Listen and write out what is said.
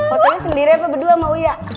potong sendiri apa berdua mau ya